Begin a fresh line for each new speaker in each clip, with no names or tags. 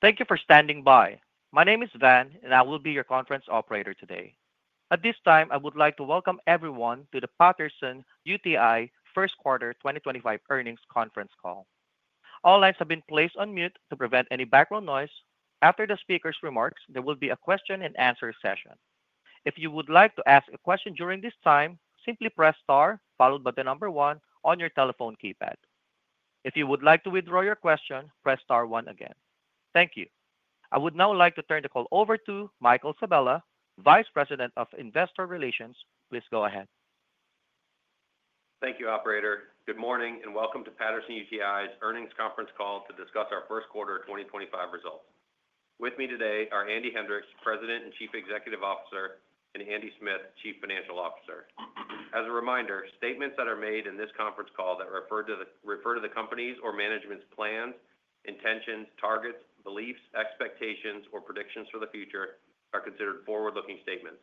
Thank you for standing by. My name is Van, and I will be your conference operator today. At this time, I would like to welcome everyone to the Patterson-UTI First Quarter 2025 Earnings Conference Call. All lines have been placed on mute to prevent any background noise. After the speaker's remarks, there will be a question-and-answer session. If you would like to ask a question during this time, simply press star button number one on your telephone keypad. If you would like to withdraw your question, press star one again. Thank you. I would now like to turn the call over to Michael Sabella, Vice President of Investor Relations. Please go ahead.
Thank you, Operator. Good morning and welcome to Patterson-UTI's Earnings Conference Call to discuss our First Quarter 2025 results. With me today are Andy Hendricks, President and Chief Executive Officer, and Andy Smith, Chief Financial Officer. As a reminder, statements that are made in this conference call that refer to the Company's or management's plans, intentions, targets, beliefs, expectations, or predictions for the future are considered forward-looking statements.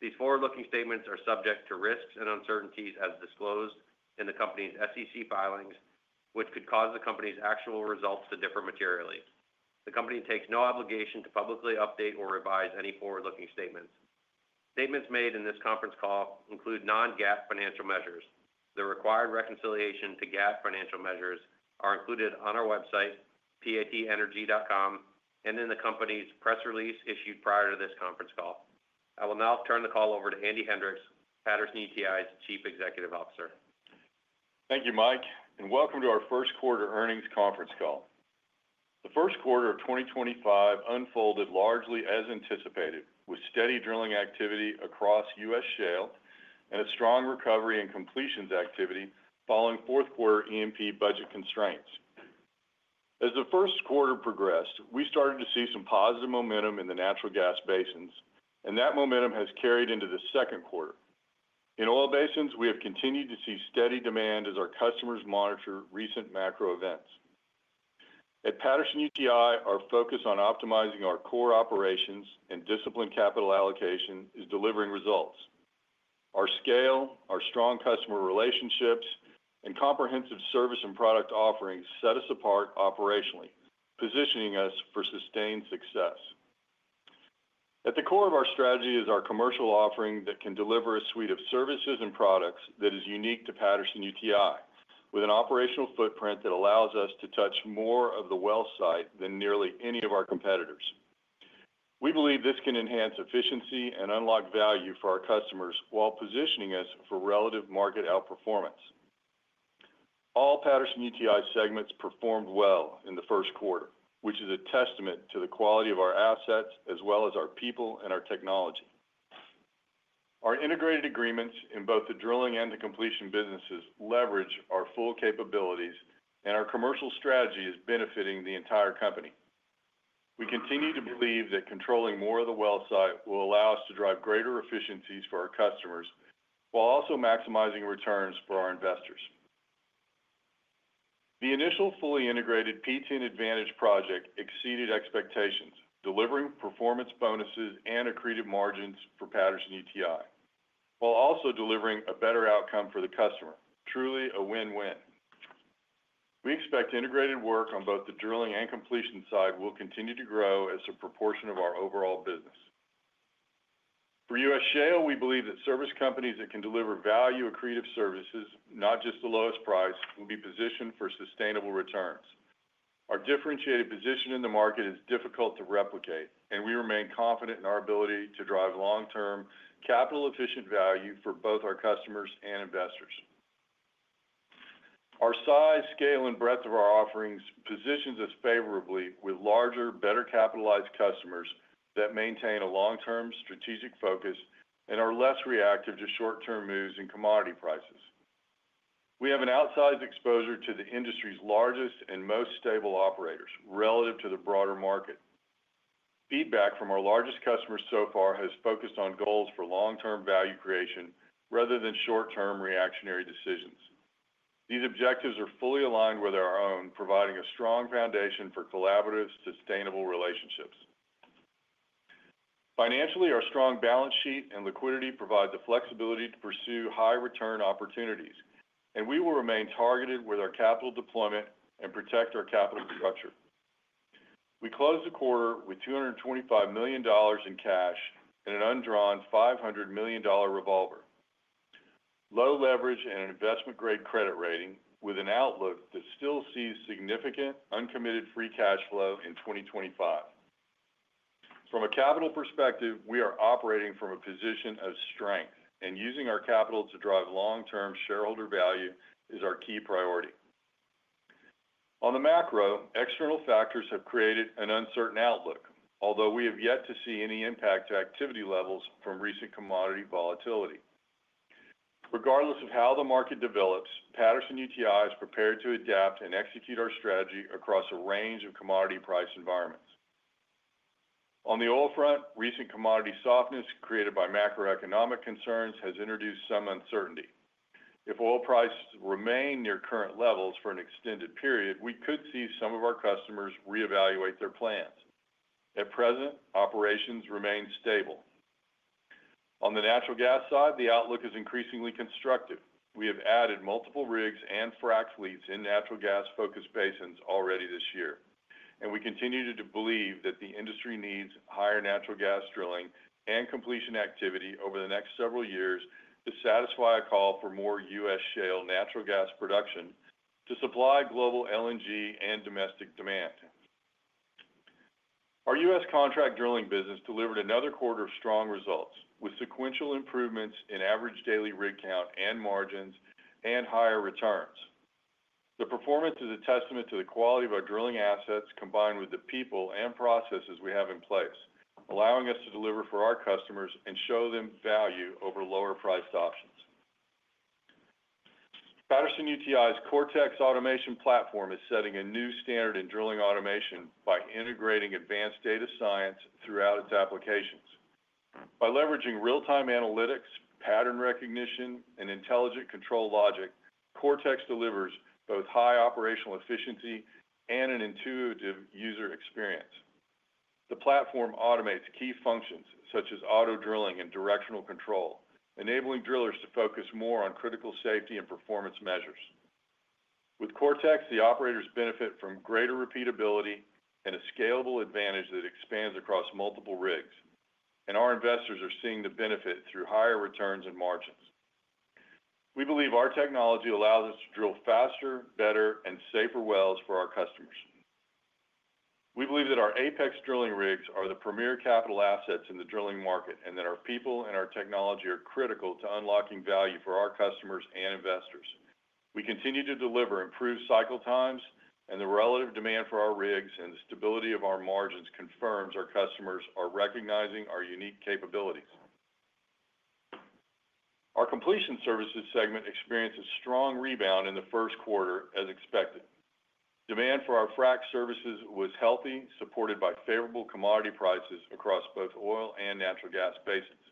These forward-looking statements are subject to risks and uncertainties as disclosed in the Company's SEC filings, which could cause the Company's actual results to differ materially. The Company takes no obligation to publicly update or revise any forward-looking statements. Statements made in this conference call include non-GAAP financial measures. The required reconciliation to GAAP financial measures are included on our website, patenergy.com, and in the Company's press release issued prior to this conference call. I will now turn the call over to Andy Hendricks, Patterson-UTI's Chief Executive Officer.
Thank you, Mike, and welcome to our First Quarter Earnings Conference Call. The First Quarter of 2025 unfolded largely as anticipated, with steady drilling activity across U.S. shale and a strong recovery in completions activity following Fourth Quarter E&P budget constraints. As the First Quarter progressed, we started to see some positive momentum in the natural gas basins, and that momentum has carried into the Second Quarter. In oil basins, we have continued to see steady demand as our customers monitor recent macro events. At Patterson-UTI, our focus on optimizing our core operations and disciplined capital allocation is delivering results. Our scale, our strong customer relationships, and comprehensive service and product offerings set us apart operationally, positioning us for sustained success. At the core of our strategy is our commercial offering that can deliver a suite of services and products that is unique to Patterson-UTI, with an operational footprint that allows us to touch more of the well site than nearly any of our competitors. We believe this can enhance efficiency and unlock value for our customers while positioning us for relative market outperformance. All Patterson-UTI segments performed well in the First Quarter, which is a testament to the quality of our assets as well as our people and our technology. Our integrated agreements in both the drilling and the completion businesses leverage our full capabilities, and our commercial strategy is benefiting the entire Company. We continue to believe that controlling more of the well site will allow us to drive greater efficiencies for our customers while also maximizing returns for our investors. The initial fully integrated PTEN Advantage project exceeded expectations, delivering performance bonuses and accretive margins for Patterson-UTI, while also delivering a better outcome for the customer. Truly a win-win. We expect integrated work on both the drilling and completion side will continue to grow as a proportion of our overall business. For U.S. shale, we believe that service companies that can deliver value-accretive services, not just the lowest price, will be positioned for sustainable returns. Our differentiated position in the market is difficult to replicate, and we remain confident in our ability to drive long-term capital-efficient value for both our customers and investors. Our size, scale, and breadth of our offerings positions us favorably with larger, better-capitalized customers that maintain a long-term strategic focus and are less reactive to short-term moves in commodity prices. We have an outsized exposure to the industry's largest and most stable operators relative to the broader market. Feedback from our largest customers so far has focused on goals for long-term value creation rather than short-term reactionary decisions. These objectives are fully aligned with our own, providing a strong foundation for collaborative, sustainable relationships. Financially, our strong balance sheet and liquidity provide the flexibility to pursue high-return opportunities, and we will remain targeted with our capital deployment and protect our capital structure. We closed the quarter with $225 million in cash and an undrawn $500 million revolver, low leverage, and an investment-grade credit rating with an outlook that still sees significant uncommitted free cash flow in 2025. From a capital perspective, we are operating from a position of strength, and using our capital to drive long-term shareholder value is our key priority. On the macro, external factors have created an uncertain outlook, although we have yet to see any impact to activity levels from recent commodity volatility. Regardless of how the market develops, Patterson-UTI is prepared to adapt and execute our strategy across a range of commodity price environments. On the oil front, recent commodity softness created by macroeconomic concerns has introduced some uncertainty. If oil prices remain near current levels for an extended period, we could see some of our customers reevaluate their plans. At present, operations remain stable. On the natural gas side, the outlook is increasingly constructive. We have added multiple rigs and frac fleets in natural gas-focused basins already this year, and we continue to believe that the industry needs higher natural gas drilling and completion activity over the next several years to satisfy a call for more U.S. shale natural gas production to supply global LNG and domestic demand. Our U.S. Contract Drilling business delivered another quarter of strong results, with sequential improvements in average daily rig count and margins and higher returns. The performance is a testament to the quality of our drilling assets combined with the people and processes we have in place, allowing us to deliver for our customers and show them value over lower-priced options. Patterson-UTI's Cortex automation platform is setting a new standard in drilling automation by integrating advanced data science throughout its applications. By leveraging real-time analytics, pattern recognition, and intelligent control logic, Cortex delivers both high operational efficiency and an intuitive user experience. The platform automates key functions such as auto-drilling and directional control, enabling drillers to focus more on critical safety and performance measures. With Cortex, the operators benefit from greater repeatability and a scalable advantage that expands across multiple rigs, and our investors are seeing the benefit through higher returns and margins. We believe our technology allows us to drill faster, better, and safer wells for our customers. We believe that our Apex drilling rigs are the premier capital assets in the drilling market and that our people and our technology are critical to unlocking value for our customers and investors. We continue to deliver improved cycle times, and the relative demand for our rigs and the stability of our margins confirms our customers are recognizing our unique capabilities. Our Completion Services segment experienced a strong rebound in the First Quarter, as expected. Demand for our frac services was healthy, supported by favorable commodity prices across both oil and natural gas basins.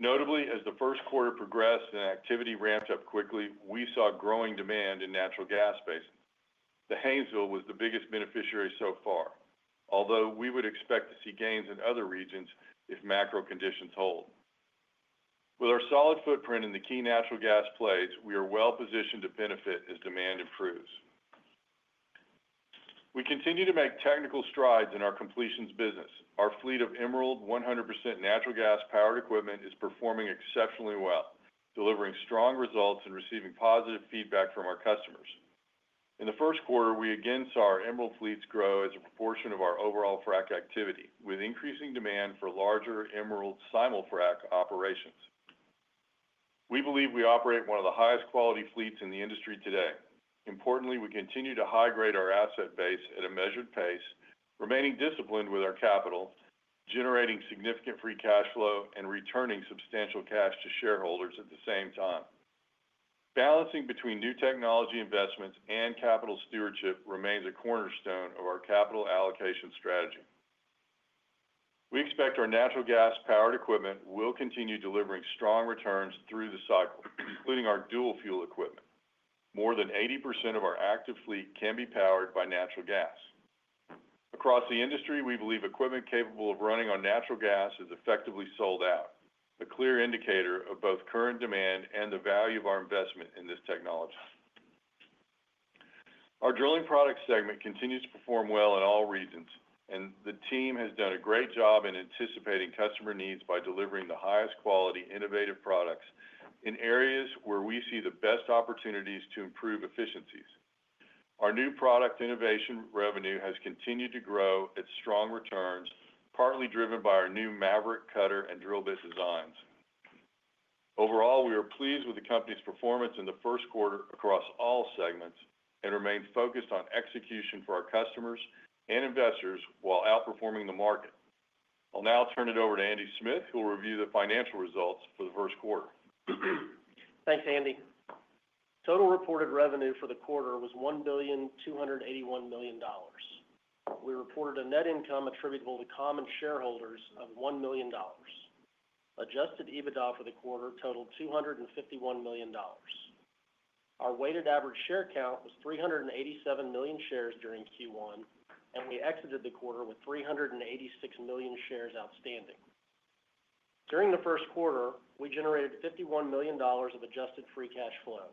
Notably, as the first quarter progressed and activity ramped up quickly, we saw growing demand in natural gas basins. The Haynesville was the biggest beneficiary so far, although we would expect to see gains in other regions if macro conditions hold. With our solid footprint in the key natural gas plays, we are well positioned to benefit as demand improves. We continue to make technical strides in our completions business. Our fleet of Emerald 100% natural-gas-powered equipment is performing exceptionally well, delivering strong results and receiving positive feedback from our customers. In the First Quarter, we again saw our Emerald fleets grow as a proportion of our overall frac activity, with increasing demand for larger Emerald simul frac operations. We believe we operate one of the highest-quality fleets in the industry today. Importantly, we continue to high-grade our asset base at a measured pace, remaining disciplined with our capital, generating significant free cash flow, and returning substantial cash to shareholders at the same time. Balancing between new technology investments and capital stewardship remains a cornerstone of our capital allocation strategy. We expect our natural-gas-powered equipment will continue delivering strong returns through the cycle, including our dual-fuel equipment. More than 80% of our active fleet can be powered by natural gas. Across the industry, we believe equipment capable of running on natural gas is effectively sold out, a clear indicator of both current demand and the value of our investment in this technology. Our Drilling Product segment continues to perform well in all regions, and the team has done a great job in anticipating customer needs by delivering the highest-quality innovative products in areas where we see the best opportunities to improve efficiencies. Our new product innovation revenue has continued to grow at strong returns, partly driven by our new Maverick cutter and drill bit designs. Overall, we are pleased with the company's performance in the First Quarter across all segments and remained focused on execution for our customers and investors while outperforming the market. I'll now turn it over to Andy Smith, who will review the financial results for the First Quarter.
Thanks, Andy. Total reported revenue for the quarter was $1,281 million. We reported a net income attributable to common shareholders of $1 million. Adjusted EBITDA for the quarter totaled $251 million. Our weighted average share count was 387 million shares during Q1, and we exited the quarter with 386 million shares outstanding. During the First Quarter, we generated $51 million of adjusted free cash flow.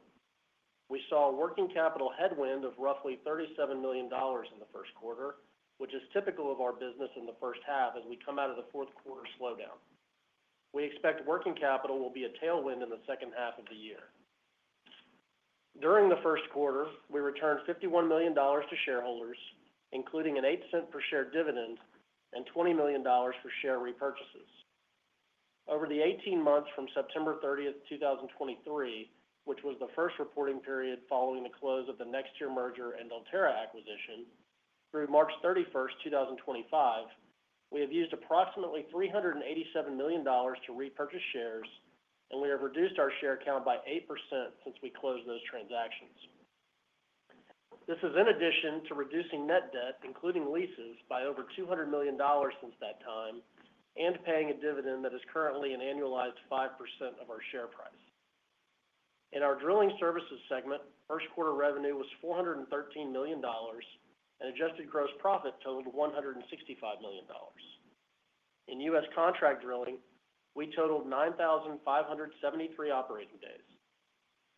We saw a working capital headwind of roughly $37 million in the First Quarter, which is typical of our business in the first half as we come out of the Fourth Quarter slowdown. We expect working capital will be a tailwind in the second half of the year. During the First Quarter, we returned $51 million to shareholders, including an $0.08 per share dividend and $20 million for share repurchases. Over the 18 months from September 30th, 2023, which was the first reporting period following the close of the NexTier merger and Ulterra acquisition, through March 31, 2025, we have used approximately $387 million to repurchase shares, and we have reduced our share count by 8% since we closed those transactions. This is in addition to reducing net debt, including leases, by over $200 million since that time and paying a dividend that is currently an annualized 5% of our share price. In our Drilling Services segment, First Quarter revenue was $413 million, and adjusted gross profit totaled $165 million. In U.S. Contract Drilling, we totaled 9,573 operating days.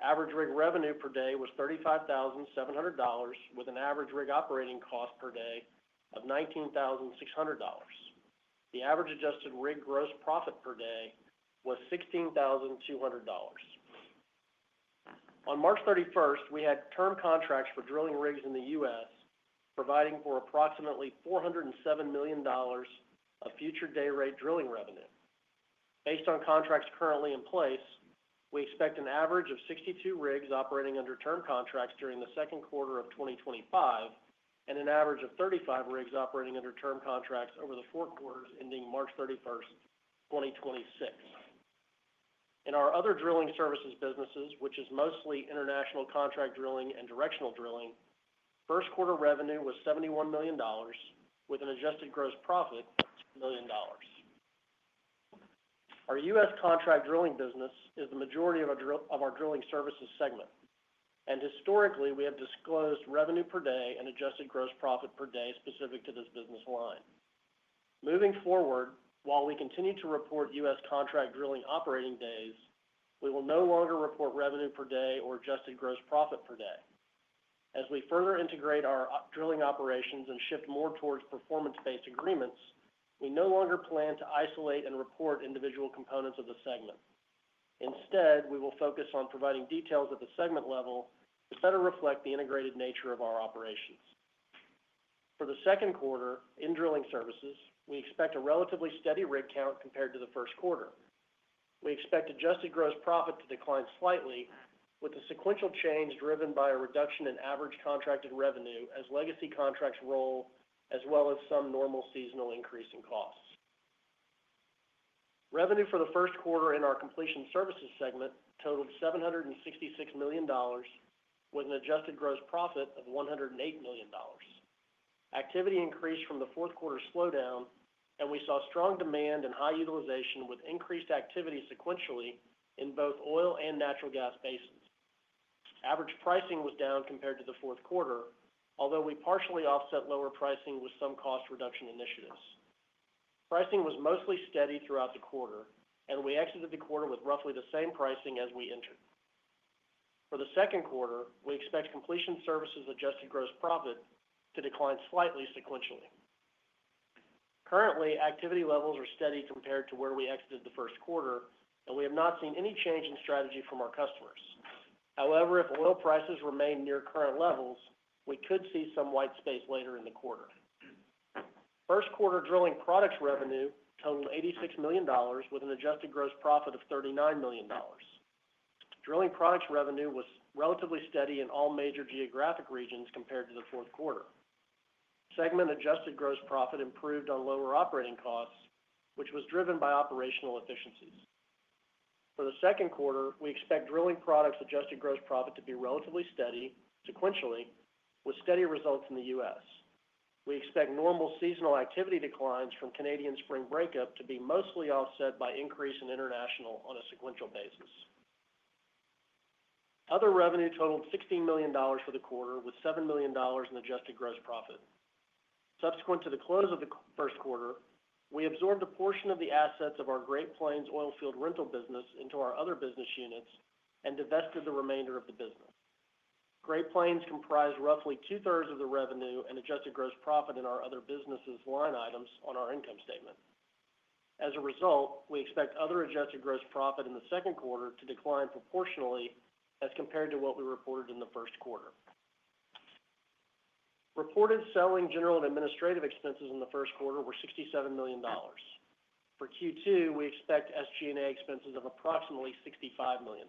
Average rig revenue per day was $35,700, with an average rig operating cost per day of $19,600. The average adjusted rig gross profit per day was $16,200. On March 31, we had term contracts for drilling rigs in the U.S., providing for approximately $407 million of future day-rate drilling revenue. Based on contracts currently in place, we expect an average of 62 rigs operating under term contracts during the second quarter of 2025 and an average of 35 rigs operating under term contracts over the four quarters ending March 31s, 2026. In our other Drilling Services businesses, which is mostly international contract drilling and directional drilling, First Quarter revenue was $71 million, with an adjusted gross profit of $2 million. Our U.S. Contract Drilling business is the majority of our Drilling Services segment, and historically, we have disclosed revenue per day and adjusted gross profit per day specific to this business line. Moving forward, while we continue to report U.S. Contract drilling operating days, we will no longer report revenue per day or adjusted gross profit per day. As we further integrate our drilling operations and shift more towards performance-based agreements, we no longer plan to isolate and report individual components of the segment. Instead, we will focus on providing details at the segment level to better reflect the integrated nature of our operations. For the Second Quarter in Drilling Services, we expect a relatively steady rig count compared to the First Quarter. We expect adjusted gross profit to decline slightly, with the sequential change driven by a reduction in average contracted revenue as legacy contracts roll, as well as some normal seasonal increase in costs. Revenue for the First Quarter in our completion services segment totaled $766 million, with an adjusted gross profit of $108 million. Activity increased from the Fourth Quarter slowdown, and we saw strong demand and high utilization with increased activity sequentially in both oil and natural gas basins. Average pricing was down compared to the Fourth Quarter, although we partially offset lower pricing with some cost reduction initiatives. Pricing was mostly steady throughout the quarter, and we exited the quarter with roughly the same pricing as we entered. For the Second Quarter, we expect Completion Services adjusted gross profit to decline slightly sequentially. Currently, activity levels are steady compared to where we exited the first quarter, and we have not seen any change in strategy from our customers. However, if oil prices remain near current levels, we could see some white space later in the quarter. First Quarter Drilling Products revenue totaled $86 million, with an adjusted gross profit of $39 million. Drilling Products revenue was relatively steady in all major geographic regions compared to the Fourth Quarter. Segment adjusted gross profit improved on lower operating costs, which was driven by operational efficiencies. For the Second Quarter, we expect Drilling Products adjusted gross profit to be relatively steady sequentially, with steady results in the U.S. We expect normal seasonal activity declines from Canadian spring breakup to be mostly offset by increase in international on a sequential basis. Other revenue totaled $16 million for the quarter, with $7 million in adjusted gross profit. Subsequent to the close of the First Quarter, we absorbed a portion of the assets of our Great Plains oil field rental business into our other business units and divested the remainder of the business. Great Plains comprised roughly two-thirds of the revenue and adjusted gross profit in our other businesses line items on our income statement. As a result, we expect other adjusted gross profit in the Second Quarter to decline proportionally as compared to what we reported in the First Quarter. Reported selling, general, and administrative expenses in the First Quarter were $67 million. For Q2, we expect SG&A expenses of approximately $65 million.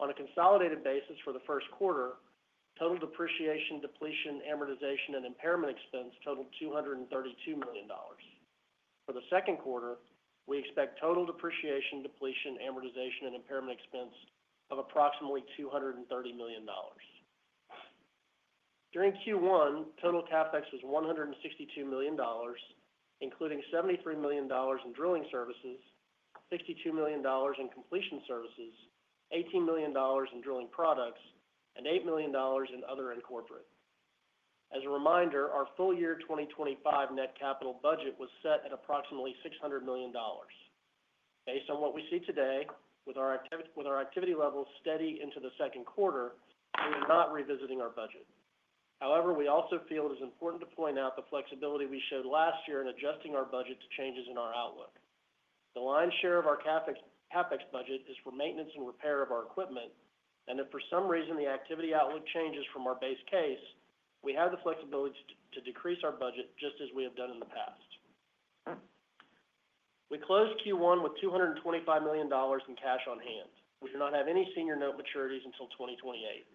On a consolidated basis for the First Quarter, total depreciation, depletion, amortization, and impairment expense totaled $232 million. For the Second Quarter, we expect total depreciation, depletion, amortization, and impairment expense of approximately $230 million. During Q1, total CapEx was $162 million, including $73 million in drilling services, $62 million in Completion Services, $18 million in Drilling Products, and $8 million in other and corporate. As a reminder, our full-year 2025 net capital budget was set at approximately $600 million. Based on what we see today, with our activity levels steady into the Second Quarter, we are not revisiting our budget. However, we also feel it is important to point out the flexibility we showed last year in adjusting our budget to changes in our outlook. The lion's share of our CapEx budget is for maintenance and repair of our equipment, and if for some reason the activity outlook changes from our base case, we have the flexibility to decrease our budget just as we have done in the past. We closed Q1 with $225 million in cash on hand. We do not have any senior note maturities until 2028.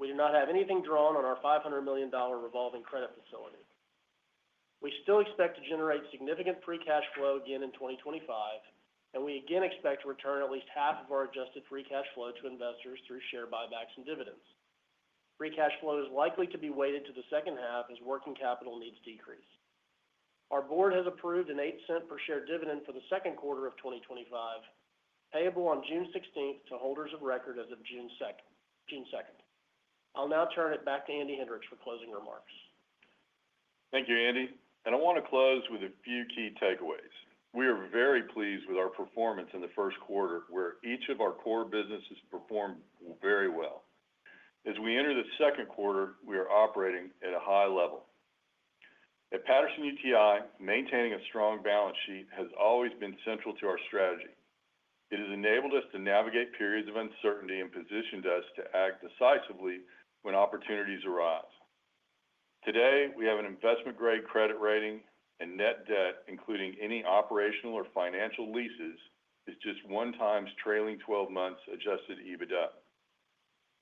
We do not have anything drawn on our $500 million revolving credit facility. We still expect to generate significant free cash flow again in 2025, and we again expect to return at least half of our adjusted free cash flow to investors through share buybacks and dividends. Free cash flow is likely to be weighted to the second half as working capital needs decrease. Our board has approved an $0.08 per share dividend for the second quarter of 2025, payable on June 16th to holders of record as of June 2nd. I'll now turn it back to Andy Hendricks for closing remarks.
Thank you, Andy. I want to close with a few key takeaways. We are very pleased with our performance in the First Quarter, where each of our core businesses performed very well. As we enter the Second Quarter, we are operating at a high level. At Patterson-UTI, maintaining a strong balance sheet has always been central to our strategy. It has enabled us to navigate periods of uncertainty and positioned us to act decisively when opportunities arise. Today, we have an investment-grade credit rating, and net debt, including any operational or financial leases, is just one time's trailing 12 months Adjusted EBITDA.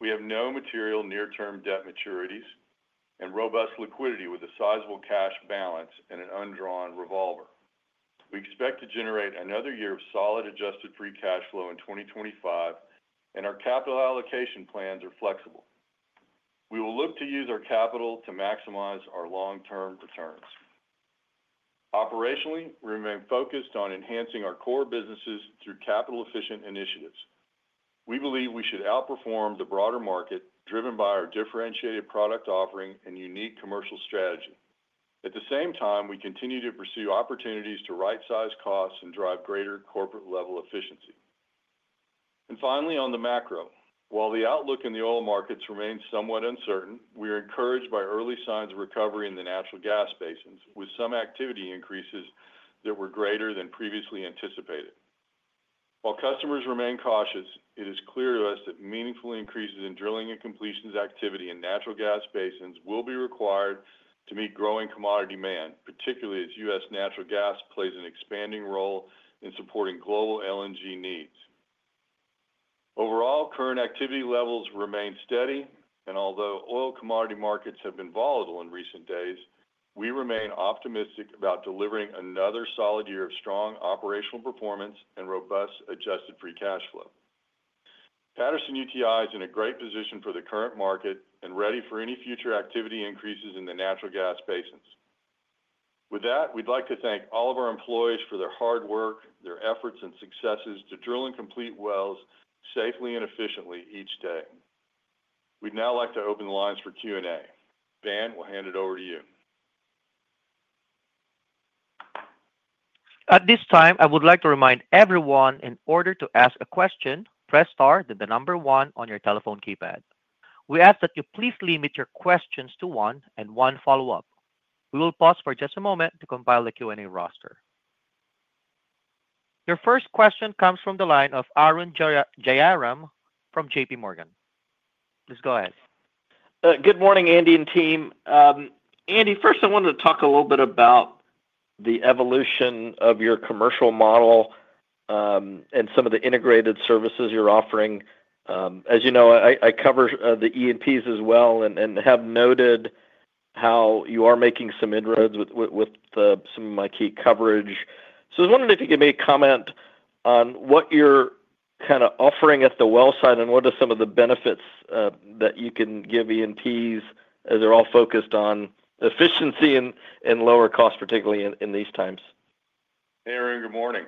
We have no material near-term debt maturities and robust liquidity with a sizable cash balance and an undrawn revolver. We expect to generate another year of solid adjusted free cash flow in 2025, and our capital allocation plans are flexible. We will look to use our capital to maximize our long-term returns. Operationally, we remain focused on enhancing our core businesses through capital-efficient initiatives. We believe we should outperform the broader market driven by our differentiated product offering and unique commercial strategy. At the same time, we continue to pursue opportunities to right-size costs and drive greater corporate-level efficiency. Finally, on the macro, while the outlook in the oil markets remains somewhat uncertain, we are encouraged by early signs of recovery in the natural gas basins, with some activity increases that were greater than previously anticipated. While customers remain cautious, it is clear to us that meaningful increases in drilling and completions activity in natural gas basins will be required to meet growing commodity demand, particularly as U.S. natural gas plays an expanding role in supporting global LNG needs. Overall, current activity levels remain steady, and although oil commodity markets have been volatile in recent days, we remain optimistic about delivering another solid year of strong operational performance and robust adjusted free cash flow. Patterson-UTI is in a great position for the current market and ready for any future activity increases in the natural gas basins. With that, we'd like to thank all of our employees for their hard work, their efforts, and successes to drill and complete wells safely and efficiently each day. We'd now like to open the lines for Q&A. Van, we'll hand it over to you.
At this time, I would like to remind everyone in order to ask a question, press star then the number one on your telephone keypad. We ask that you please limit your questions to one and one follow-up. We will pause for just a moment to compile the Q&A roster. Your first question comes from the line of Arun Jayaram from J.P. Morgan. Please go ahead.
Good morning, Andy and team. Andy, first, I wanted to talk a little bit about the evolution of your commercial model and some of the integrated services you're offering. As you know, I cover the E&Ps as well and have noted how you are making some inroads with some of my key coverage. I was wondering if you could make a comment on what you're kind of offering at the well side and what are some of the benefits that you can give E&Ps as they're all focused on efficiency and lower cost, particularly in these times.
Hey, Arun, good morning.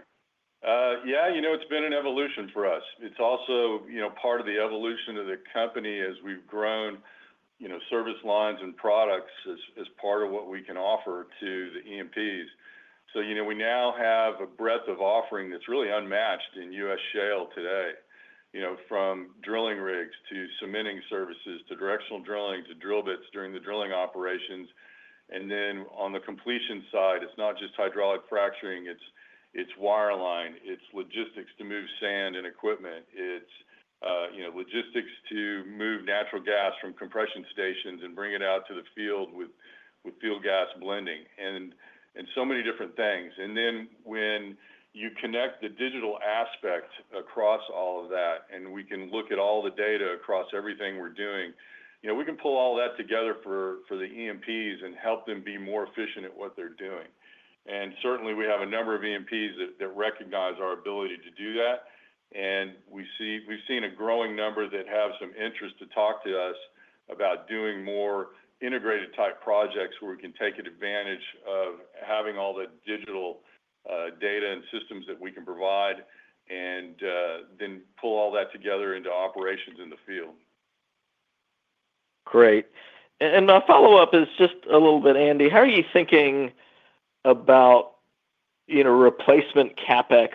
Yeah, you know it's been an evolution for us. It's also part of the evolution of the Company as we've grown service lines and products as part of what we can offer to the E&Ps. We now have a breadth of offering that's really unmatched in U.S. shale today, from drilling rigs to cementing services to directional drilling to drill bits during the drilling operations. On the completion side, it's not just hydraulic fracturing, it's wireline, it's logistics to move sand and equipment, it's logistics to move natural gas from compression stations and bring it out to the field with field gas blending, and so many different things. When you connect the digital aspect across all of that, and we can look at all the data across everything we're doing, we can pull all that together for the E&Ps and help them be more efficient at what they're doing. Certainly, we have a number of E&Ps that recognize our ability to do that. We have seen a growing number that have some interest to talk to us about doing more integrated-type projects where we can take advantage of having all the digital data and systems that we can provide and then pull all that together into operations in the field.
Great. My follow-up is just a little bit, Andy. How are you thinking about replacement CapEx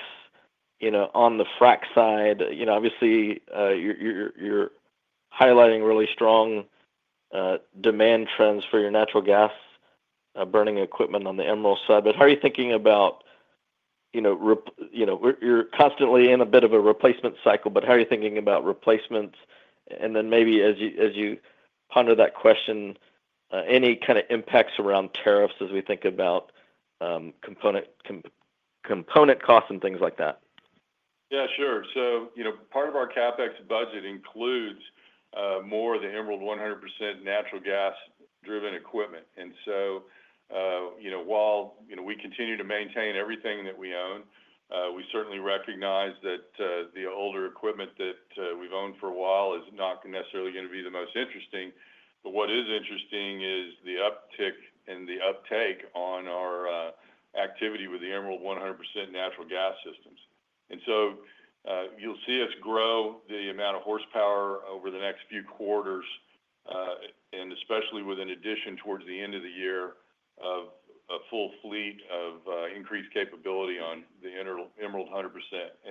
on the frac side? Obviously, you're highlighting really strong demand trends for your natural gas burning equipment on the Emerald side. How are you thinking about you're constantly in a bit of a replacement cycle, how are you thinking about replacements? As you ponder that question, any kind of impacts around tariffs as we think about component costs and things like that?
Yeah, sure. Part of our CapEx budget includes more of the Emerald 100% natural-gas-driven equipment. While we continue to maintain everything that we own, we certainly recognize that the older equipment that we have owned for a while is not necessarily going to be the most interesting. What is interesting is the uptick and the uptake on our activity with the Emerald 100% natural gas systems. You will see us grow the amount of horsepower over the next few quarters, especially with an addition towards the end of the year of a full fleet of increased capability on the Emerald 100%.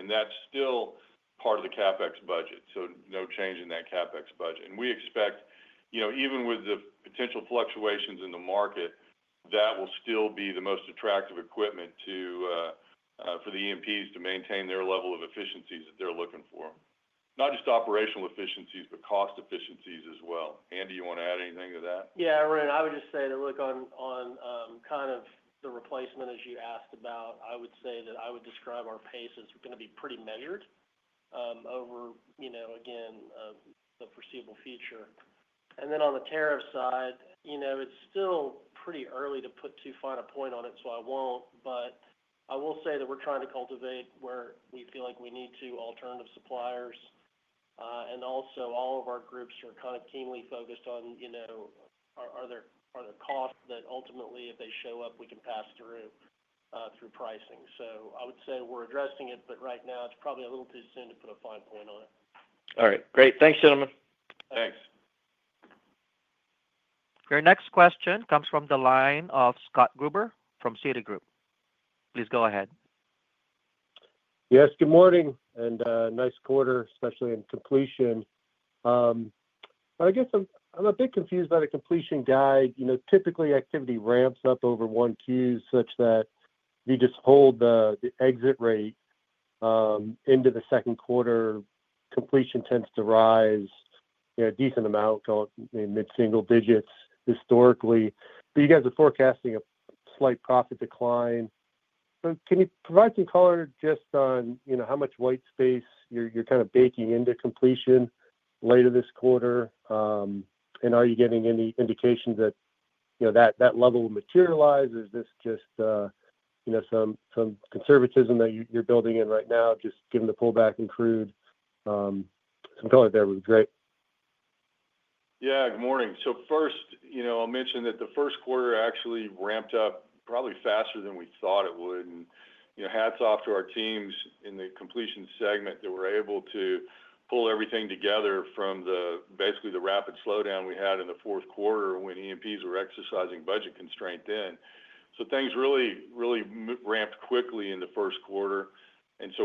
That is still part of the CapEx budget, so no change in that CapEx budget. We expect even with the potential fluctuations in the market, that will still be the most attractive equipment for the E&Ps to maintain their level of efficiencies that they're looking for. Not just operational efficiencies, but cost efficiencies as well. Andy, you want to add anything to that?
Yeah, Arun, I would just say that look on kind of the replacement as you asked about, I would say that I would describe our pace as going to be pretty measured over, again, the foreseeable future. On the tariff side, it's still pretty early to put too fine a point on it, so I won't. I will say that we're trying to cultivate where we feel like we need to alternative suppliers. Also, all of our groups are kind of keenly focused on are there costs that ultimately, if they show up, we can pass through pricing. I would say we're addressing it, but right now it's probably a little too soon to put a fine point on it.
All right. Great. Thanks, gentlemen.
Thanks.
Your next question comes from the line of Scott Gruber from Citi. Please go ahead.
Yes, good morning and nice quarter, especially in Completion. I guess I'm a bit confused by the Completion guide. Typically, activity ramps up over Q1 such that if you just hold the exit rate into the Second Quarter, completion tends to rise a decent amount in mid-single digits historically. You guys are forecasting a slight profit decline. Can you provide some color just on how much white space you're kind of baking into completion later this quarter? Are you getting any indication that that level will materialize? Is this just some conservatism that you're building in right now, just given the pullback in crude? Some color there would be great.
Yeah, good morning. First, I'll mention that the First Quarter actually ramped up probably faster than we thought it would. Hats off to our teams in the Completion segment that were able to pull everything together from basically the rapid slowdown we had in the Fourth Quarter when E&Ps were exercising budget constraints then. Things really ramped quickly in the First Quarter.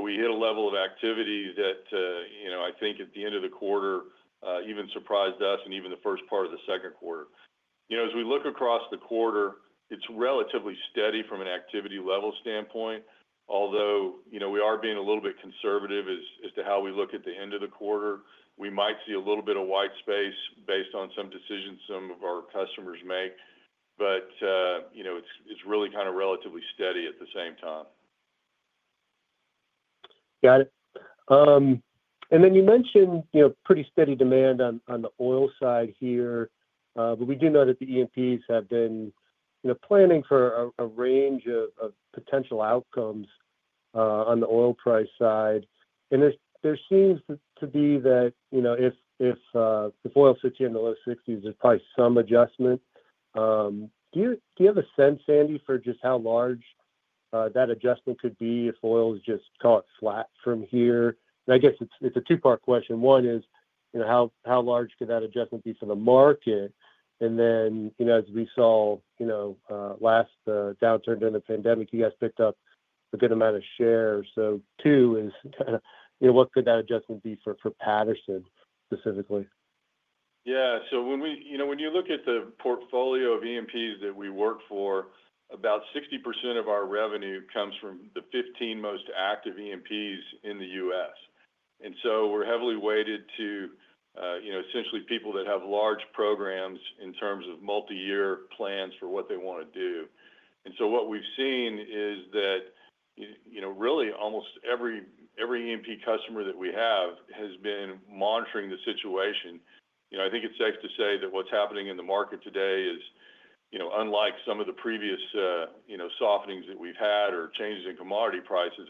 We hit a level of activity that I think at the end of the quarter even surprised us and even the first part of the Second Quarter. As we look across the quarter, it's relatively steady from an activity-level standpoint. Although we are being a little bit conservative as to how we look at the end of the quarter, we might see a little bit of white space based on some decisions some of our customers make. It is really kind of relatively steady at the same time.
Got it. You mentioned pretty steady demand on the oil side here. We do know that the E&Ps have been planning for a range of potential outcomes on the oil price side. There seems to be that if oil sits here in the low 60s, there's probably some adjustment. Do you have a sense, Andy, for just how large that adjustment could be if oil is just, call it, flat from here? I guess it's a two-part question. One is how large could that adjustment be for the market? As we saw last downturn during the pandemic, you guys picked up a good amount of shares. Two is kind of what could that adjustment be for Patterson specifically?
Yeah. When you look at the portfolio of E&Ps that we work for, about 60% of our revenue comes from the 15 most active E&Ps in the U.S. We are heavily weighted to essentially people that have large programs in terms of multi-year plans for what they want to do. What we have seen is that really almost every E&P customer that we have has been monitoring the situation. I think it is safe to say that what is happening in the market today is unlike some of the previous softenings that we have had or changes in commodity prices.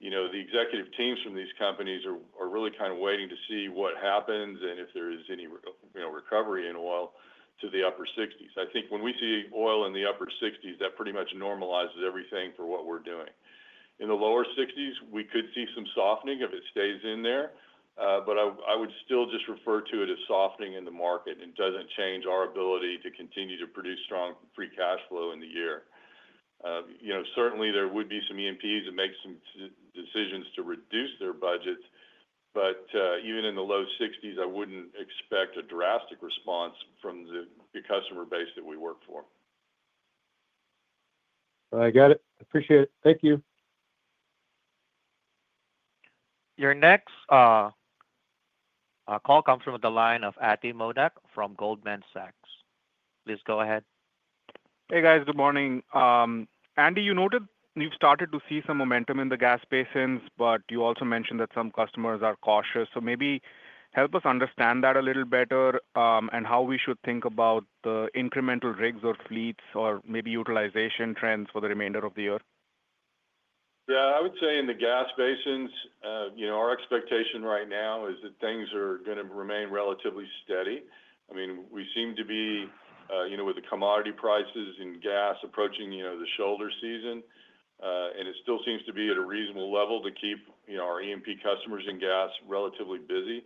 The executive teams from these companies are really kind of waiting to see what happens and if there is any recovery in oil to the upper 60s. I think when we see oil in the upper 60s, that pretty much normalizes everything for what we are doing. In the lower 60s, we could see some softening if it stays in there. I would still just refer to it as softening in the market and it does not change our ability to continue to produce strong free cash flow in the year. Certainly, there would be some E&Ps that make some decisions to reduce their budgets. Even in the low 60s, I would not expect a drastic response from the customer base that we work for.
I got it. Appreciate it. Thank you.
Your next call comes from the line of Ati Modak from Goldman Sachs. Please go ahead.
Hey, guys. Good morning. Andy, you noted you've started to see some momentum in the gas basins, but you also mentioned that some customers are cautious. Maybe help us understand that a little better and how we should think about the incremental rigs or fleets or maybe utilization trends for the remainder of the year.
Yeah. I would say in the gas basins, our expectation right now is that things are going to remain relatively steady. I mean, we seem to be with the commodity prices in gas approaching the shoulder season. It still seems to be at a reasonable level to keep our E&P customers in gas relatively busy.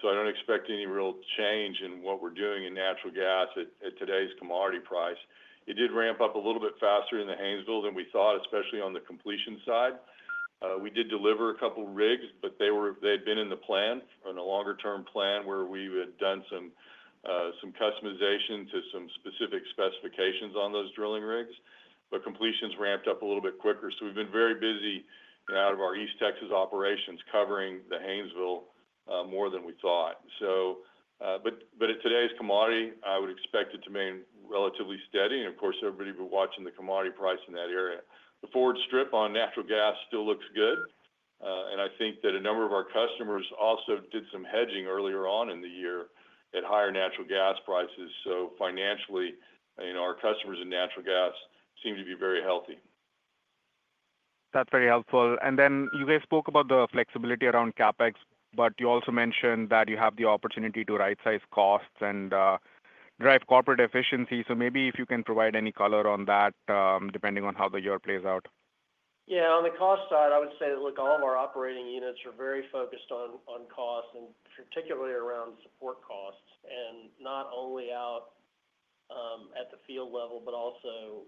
I do not expect any real change in what we are doing in natural gas at today's commodity price. It did ramp up a little bit faster in the Haynesville than we thought, especially on the completion side. We did deliver a couple of rigs, but they had been in the plan for a longer-term plan where we had done some customization to some specific specifications on those drilling rigs. Completions ramped up a little bit quicker. We have been very busy out of our East Texas operations covering the Haynesville more than we thought. At today's commodity, I would expect it to remain relatively steady. Of course, everybody will be watching the commodity price in that area. The forward strip on natural gas still looks good. I think that a number of our customers also did some hedging earlier on in the year at higher natural gas prices. Financially, our customers in natural gas seem to be very healthy.
That's very helpful. You guys spoke about the flexibility around CapEx, but you also mentioned that you have the opportunity to right-size costs and drive corporate efficiency. Maybe if you can provide any color on that, depending on how the year plays out.
Yeah. On the cost side, I would say that look, all of our operating units are very focused on costs, and particularly around support costs, and not only out at the field level, but also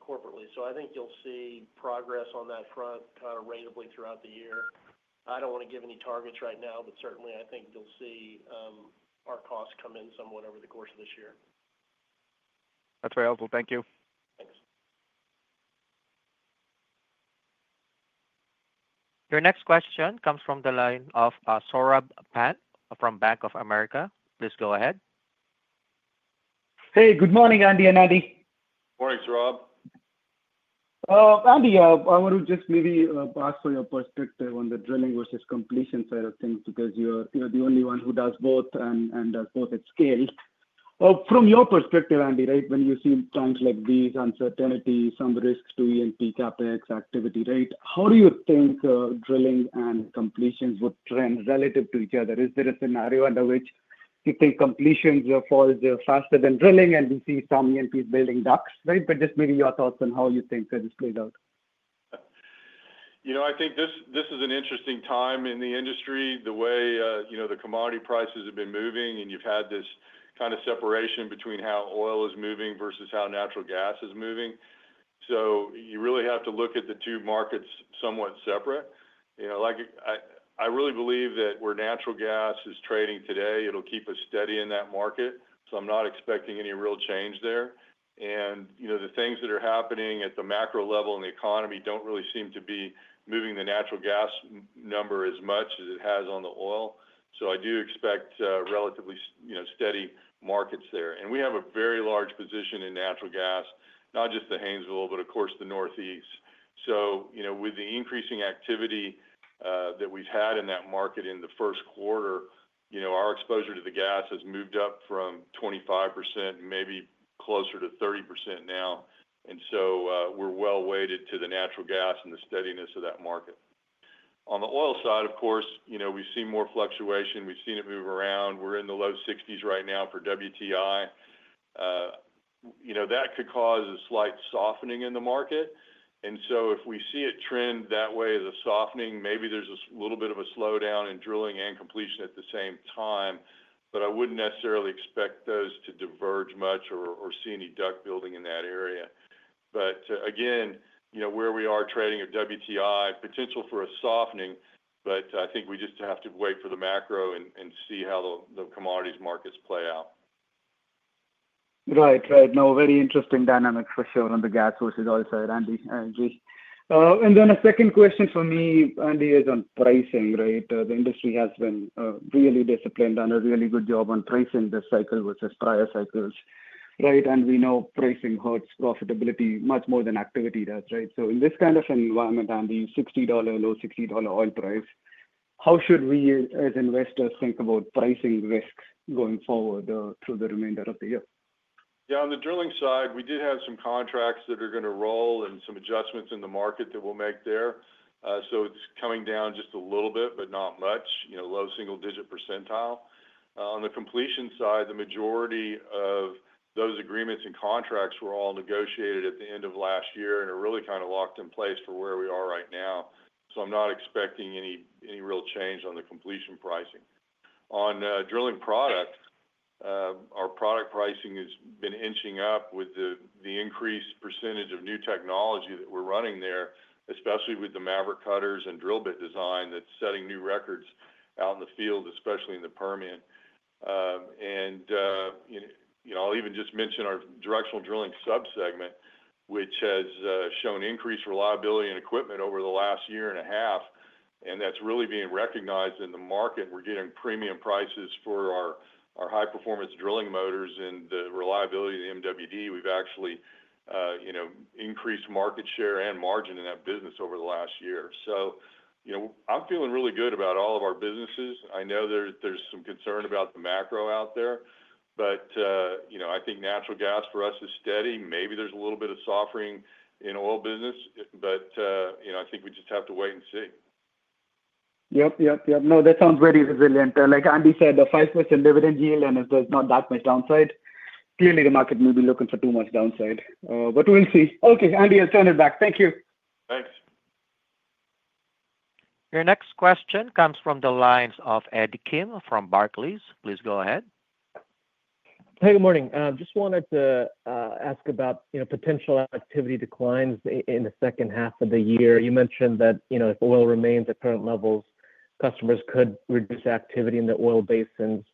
corporately. I think you'll see progress on that front kind of ratably throughout the year. I do not want to give any targets right now, but certainly, I think you'll see our costs come in somewhat over the course of this year.
That's very helpful. Thank you.
Thanks.
Your next question comes from the line of Saurabh Pant from Bank of America. Please go ahead.
Hey, good morning, Andy and Andy.
Morning, Saurabh.
Andy, I want to just maybe pass on your perspective on the drilling versus completion side of things because you're the only one who does both and does both at scale. From your perspective, Andy, right, when you see times like these, uncertainty, some risk to E&P CapEx activity, right, how do you think drilling and completions would trend relative to each other? Is there a scenario under which you think completions fall faster than drilling and we see some E&Ps building DUCs? Right? But just maybe your thoughts on how you think this plays out.
I think this is an interesting time in the industry. The way the commodity prices have been moving, and you've had this kind of separation between how oil is moving versus how natural gas is moving. You really have to look at the two markets somewhat separate. I really believe that where natural gas is trading today, it'll keep us steady in that market. I'm not expecting any real change there. The things that are happening at the macro level in the economy don't really seem to be moving the natural gas number as much as it has on the oil. I do expect relatively steady markets there. We have a very large position in natural gas, not just the Haynesville, but of course the Northeast. With the increasing activity that we've had in that market in the first quarter, our exposure to the gas has moved up from 25% maybe closer to 30% now. We're well-weighted to the natural gas and the steadiness of that market. On the oil side, of course, we've seen more fluctuation. We've seen it move around. We're in the low 60s right now for WTI. That could cause a slight softening in the market. If we see it trend that way as a softening, maybe there's a little bit of a slowdown in drilling and completion at the same time. I wouldn't necessarily expect those to diverge much or see any DUCs building in that area. Where we are trading at WTI, potential for a softening, but I think we just have to wait for the macro and see how the commodities markets play out.
Right. Right. No, very interesting dynamics for sure on the gas versus oil side, Andy. A second question for me, Andy, is on pricing, right? The industry has been really disciplined and a really good job on pricing this cycle versus prior cycles. Right? We know pricing hurts profitability much more than activity does, right? In this kind of environment, Andy, $60, low $60 oil price, how should we as investors think about pricing risk going forward through the remainder of the year?
Yeah. On the drilling side, we did have some contracts that are going to roll and some adjustments in the market that we'll make there. It is coming down just a little bit, but not much, low-single-digit percentile. On the completion side, the majority of those agreements and contracts were all negotiated at the end of last year and are really kind of locked in place for where we are right now. I am not expecting any real change on the completion pricing. On drilling product, our product pricing has been inching up with the increased percentage of new technology that we're running there, especially with the Maverick cutters and drill bit design that's setting new records out in the field, especially in the Permian. I will even just mention our directional drilling subsegment, which has shown increased reliability and equipment over the last year and a half. That is really being recognized in the market. We are getting premium prices for our high-performance drilling motors and the reliability of the MWD. We have actually increased market share and margin in that business over the last year. I am feeling really good about all of our businesses. I know there is some concern about the macro out there. I think natural gas for us is steady. Maybe there is a little bit of softening in oil business, but I think we just have to wait and see.
Yep. Yep. No, that sounds very resilient. Like Andy said, a 5% dividend yield and there's not that much downside. Clearly, the market may be looking for too much downside. We'll see. Okay, Andy, I'll turn it back. Thank you.
Thanks.
Your next question comes from the lines of Ed Kim from Barclays. Please go ahead.
Hey, good morning. Just wanted to ask about potential activity declines in the second half of the year. You mentioned that if oil remains at current levels, customers could reduce activity in the oil basins.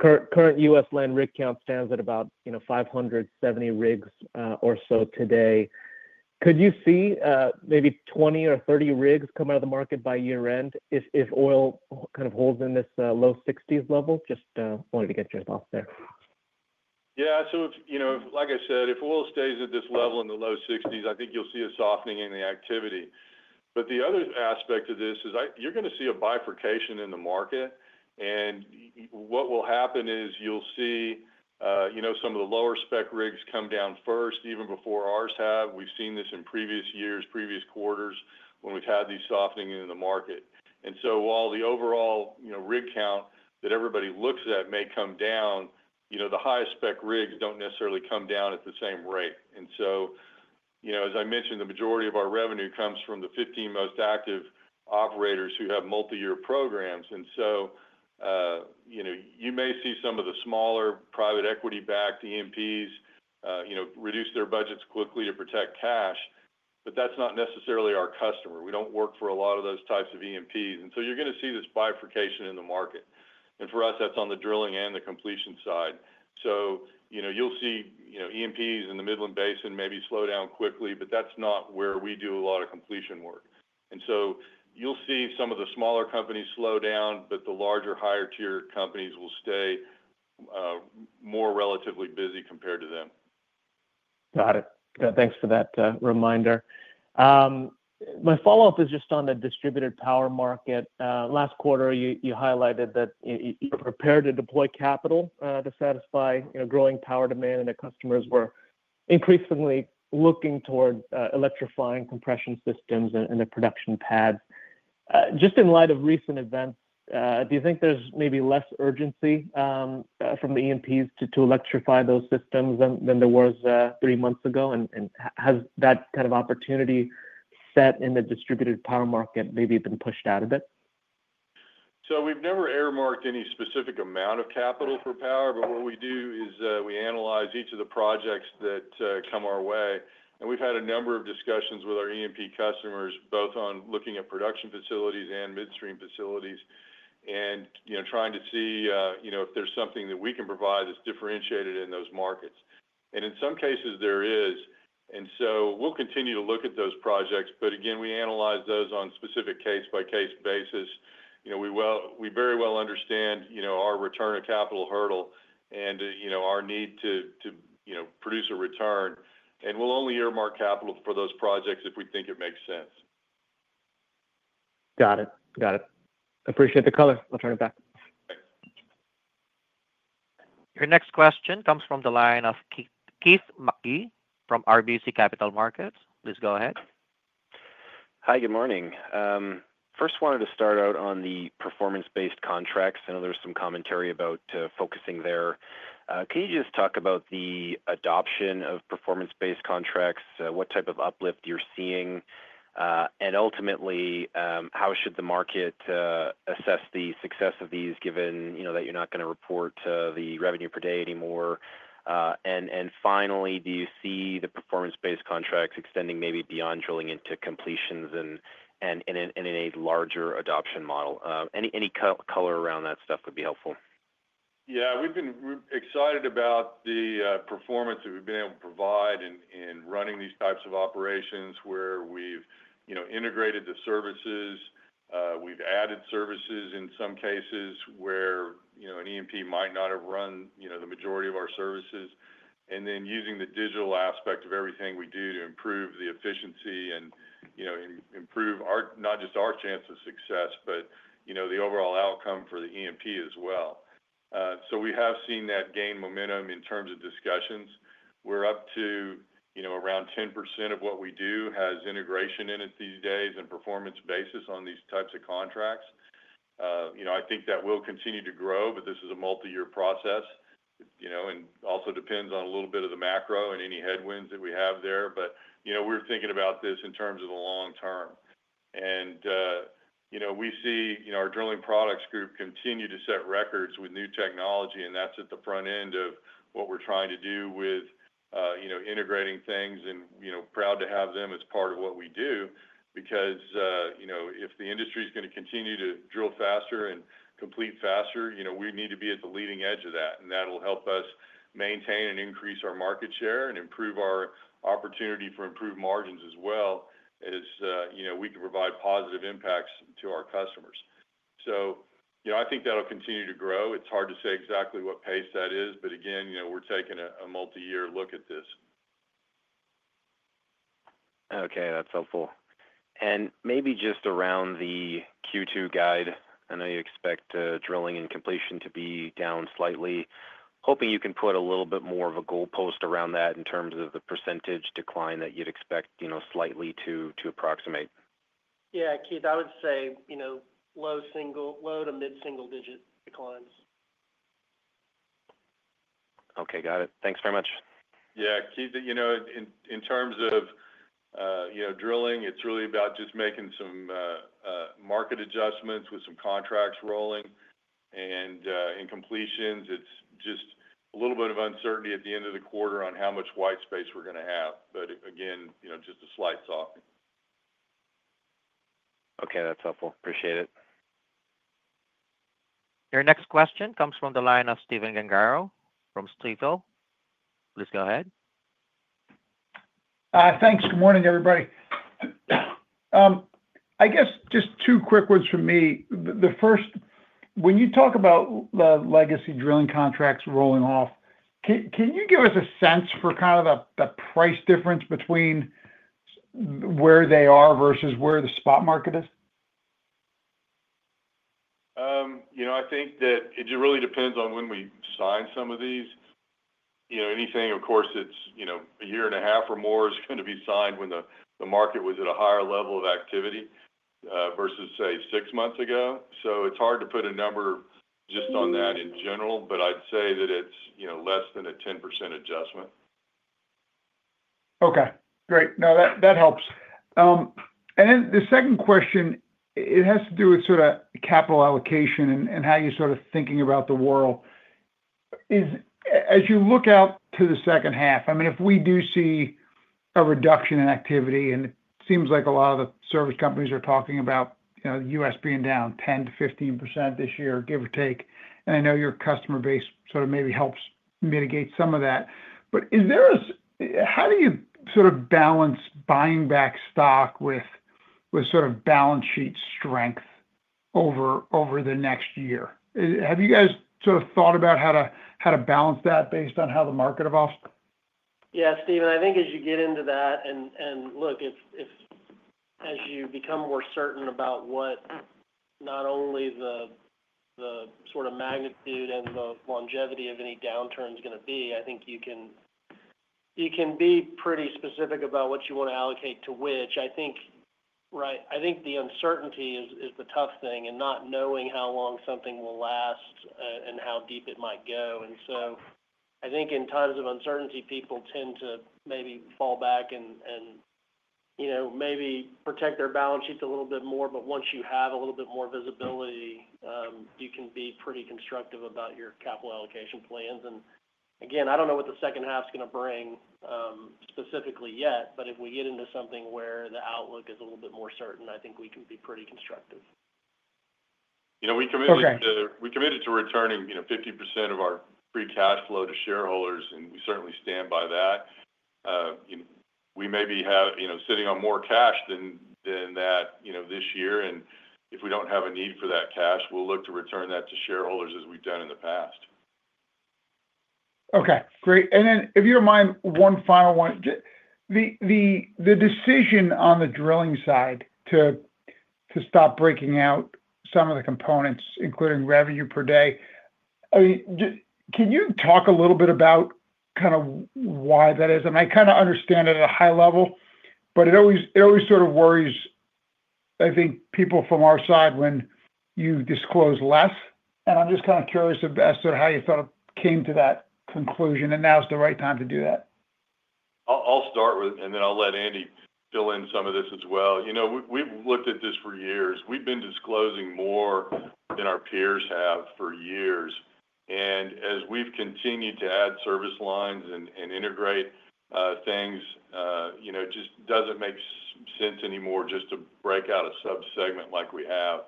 Current U.S. land rig count stands at about 570 rigs or so today. Could you see maybe 20 or 30 rigs come out of the market by year-end if oil kind of holds in this low $60s level? Just wanted to get your thoughts there.
Yeah. Like I said, if oil stays at this level in the low $60s, I think you'll see a softening in the activity. The other aspect of this is you're going to see a bifurcation in the market. What will happen is you'll see some of the lower spec rigs come down first, even before ours have. We've seen this in previous years, previous quarters when we've had these softenings in the market. While the overall rig count that everybody looks at may come down, the highest spec rigs don't necessarily come down at the same rate. As I mentioned, the majority of our revenue comes from the 15 most active operators who have multi-year programs. You may see some of the smaller private equity-backed E&Ps reduce their budgets quickly to protect cash, but that's not necessarily our customer. We don't work for a lot of those types of E&Ps. You're going to see this bifurcation in the market. For us, that's on the drilling and the completion side. You'll see E&Ps in the Midland Basin maybe slow down quickly, but that's not where we do a lot of completion work. You'll see some of the smaller companies slow down, but the larger higher-tier companies will stay more relatively busy compared to them.
Got it. Thanks for that reminder. My follow-up is just on the distributed power market. Last quarter, you highlighted that you prepared to deploy capital to satisfy growing power demand and that customers were increasingly looking toward electrifying compression systems and the production pads. Just in light of recent events, do you think there's maybe less urgency from the E&Ps to electrify those systems than there was three months ago? Has that kind of opportunity set in the distributed power market maybe been pushed out a bit?
We have never earmarked any specific amount of capital for power, but what we do is we analyze each of the projects that come our way. We have had a number of discussions with our E&P customers, both on looking at production facilities and midstream facilities, and trying to see if there is something that we can provide that is differentiated in those markets. In some cases, there is. We will continue to look at those projects. Again, we analyze those on a specific case-by-case basis. We very well understand our return of capital hurdle and our need to produce a return. We will only earmark capital for those projects if we think it makes sense.
Got it. Got it. Appreciate the color. I'll turn it back.
Thanks.
Your next question comes from the line of Keith Mackey from RBC Capital Markets. Please go ahead.
Hi, good morning. First, wanted to start out on the performance-based contracts. I know there was some commentary about focusing there. Can you just talk about the adoption of performance-based contracts? What type of uplift you're seeing? Ultimately, how should the market assess the success of these given that you're not going to report the revenue per day anymore? Finally, do you see the performance-based contracts extending maybe beyond drilling into completions and in a larger adoption model? Any color around that stuff would be helpful.
Yeah. We've been excited about the performance that we've been able to provide in running these types of operations where we've integrated the services. We've added services in some cases where an E&P might not have run the majority of our services. Using the digital aspect of everything we do to improve the efficiency and improve not just our chance of success, but the overall outcome for the E&P as well. We have seen that gain momentum in terms of discussions. We're up to around 10% of what we do has integration in it these days and performance basis on these types of contracts. I think that will continue to grow, but this is a multi-year process. It also depends on a little bit of the macro and any headwinds that we have there. We're thinking about this in terms of the long term. We see our Drilling Products group continue to set records with new technology, and that is at the front end of what we are trying to do with integrating things. I am proud to have them as part of what we do because if the industry is going to continue to drill faster and complete faster, we need to be at the leading edge of that. That will help us maintain and increase our market share and improve our opportunity for improved margins as well as we can provide positive impacts to our customers. I think that will continue to grow. It is hard to say exactly what pace that is. Again, we are taking a multi-year look at this.
Okay. That's helpful. Maybe just around the Q2 guide, I know you expect drilling and completion to be down slightly. Hoping you can put a little bit more of a goal post around that in terms of the percentage decline that you'd expect slightly to approximate.
Yeah. Keith, I would say low to mid-single-digit declines.
Okay. Got it. Thanks so much.
Yeah. Keith, in terms of drilling, it's really about just making some market adjustments with some contracts rolling. In completions, it's just a little bit of uncertainty at the end of the quarter on how much white space we're going to have. Again, just a slight softening.
Okay. That's helpful. Appreciate it.
Your next question comes from the line of Stephen Gengaro from Stifel. Please go ahead.
Thanks. Good morning, everybody. I guess just two quick words from me. The first, when you talk about the legacy drilling contracts rolling off, can you give us a sense for kind of the price difference between where they are versus where the spot market is?
I think that it really depends on when we sign some of these. Anything, of course, that's a year and a half or more is going to be signed when the market was at a higher level of activity versus, say, six months ago. It's hard to put a number just on that in general, but I'd say that it's less than a 10% adjustment.
Okay. Great. No, that helps. The second question, it has to do with sort of capital allocation and how you're sort of thinking about the world. As you look out to the second half, I mean, if we do see a reduction in activity, it seems like a lot of the service companies are talking about the U.S. being down 10%-15% this year, give or take. I know your customer base sort of maybe helps mitigate some of that. How do you sort of balance buying back stock with sort of balance sheet strength over the next year? Have you guys sort of thought about how to balance that based on how the market evolves?
Yeah. Stephen, I think as you get into that and look, as you become more certain about what not only the sort of magnitude and the longevity of any downturn is going to be, I think you can be pretty specific about what you want to allocate to which. I think the uncertainty is the tough thing and not knowing how long something will last and how deep it might go. In times of uncertainty, people tend to maybe fall back and maybe protect their balance sheet a little bit more. Once you have a little bit more visibility, you can be pretty constructive about your capital allocation plans.
I do not know what the second half is going to bring specifically yet, but if we get into something where the outlook is a little bit more certain, I think we can be pretty constructive.
We committed to returning 50% of our free cash flow to shareholders, and we certainly stand by that. We may be sitting on more cash than that this year. If we do not have a need for that cash, we will look to return that to shareholders as we have done in the past.
Okay. Great. If you do not mind, one final one. The decision on the drilling side to stop breaking out some of the components, including revenue per day, can you talk a little bit about kind of why that is? I kind of understand it at a high level, but it always sort of worries, I think, people from our side when you disclose less. I am just kind of curious as to how you thought it came to that conclusion and now is the right time to do that.
I'll start with, and then I'll let Andy fill in some of this as well. We've looked at this for years. We've been disclosing more than our peers have for years. As we've continued to add service lines and integrate things, it just doesn't make sense anymore just to break out a subsegment like we have.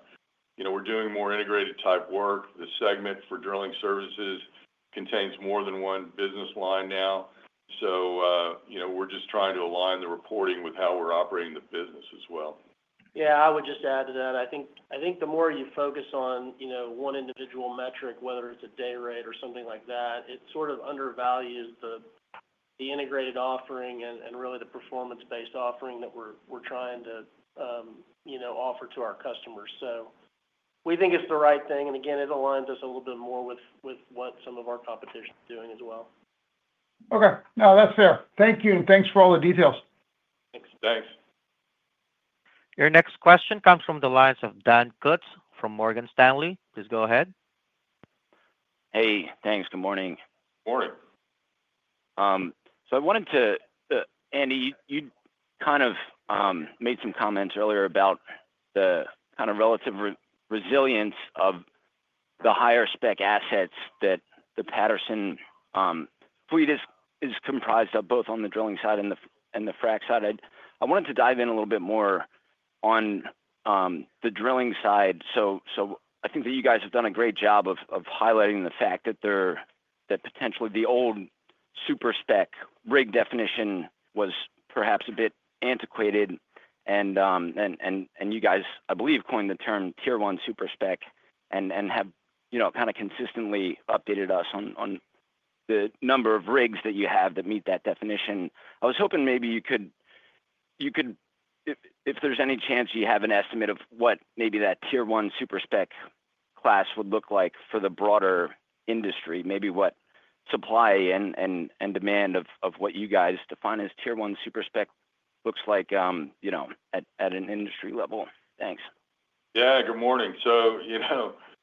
We're doing more integrated-type work. The segment for Drilling Services contains more than one business line now. We're just trying to align the reporting with how we're operating the business as well.
Yeah. I would just add to that. I think the more you focus on one individual metric, whether it's a day rate or something like that, it sort of undervalues the integrated offering and really the performance-based offering that we're trying to offer to our customers. We think it's the right thing. Again, it aligns us a little bit more with what some of our competition is doing as well.
Okay. No, that's fair. Thank you. Thanks for all the details.
Thanks.
Your next question comes from the lines of Dan Kutz from Morgan Stanley. Please go ahead.
Hey. Thanks. Good morning.
Morning.
I wanted to, Andy, you kind of made some comments earlier about the kind of relative resilience of the higher-spec assets that the Patterson fleet is comprised of, both on the drilling side and the frac side. I wanted to dive in a little bit more on the drilling side. I think that you guys have done a great job of highlighting the fact that potentially the old super-spec rig definition was perhaps a bit antiquated. And you guys, I believe, coined the term Tier-1 Super-Spec and have kind of consistently updated us on the number of rigs that you have that meet that definition. I was hoping maybe you could, if there's any chance, you have an estimate of what maybe that Tier-1 Super-Spec class would look like for the broader industry, maybe what supply and demand of what you guys define as Tier-1 Super-Spec looks like at an industry level. Thanks.
Yeah. Good morning.